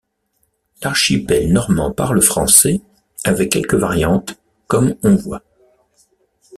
L’archipel normand parle français, avec quelques variantes, comme on voit.